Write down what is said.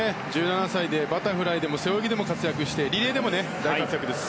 １７歳でバタフライでも背泳ぎでも活躍してリレーでも大活躍です。